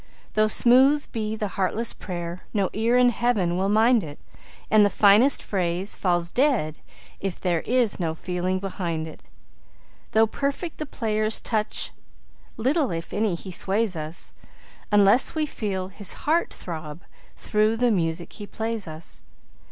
Though smooth be the heartless prayer, no ear in Heaven will mind it, And the finest phrase falls dead if there is no feeling behind it. Though perfect the player's touch, little, if any, he sways us, Unless we feel his heart throb through the music he plays us.